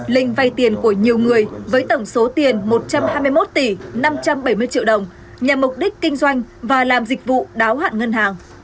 linh vay tiền của nhiều người với tổng số tiền một trăm hai mươi một tỷ năm trăm bảy mươi triệu đồng nhằm mục đích kinh doanh và làm dịch vụ đáo hạn ngân hàng